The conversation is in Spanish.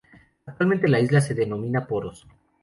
Actualmente la isla se denomina Poros.